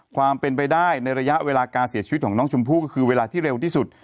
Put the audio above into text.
ความเป็นไปได้ในระยะเวลาการเสียชีวิตของน้องชมพู่ก็คือเวลาที่เร็วที่สุด